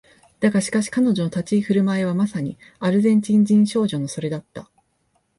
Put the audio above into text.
だがしかし彼女の立ち居振る舞いはまさにアルゼンチン人少女のそれだった